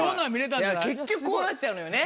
結局こうなっちゃうのよね